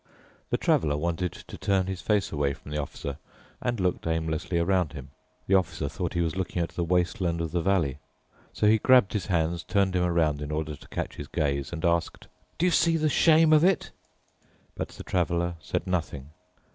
The Traveler wanted to turn his face away from the Officer and looked aimlessly around him. The Officer thought he was looking at the wasteland of the valley. So he grabbed his hands, turned him around in order to catch his gaze, and asked, "Do you see the shame of it?" But the Traveler said nothing.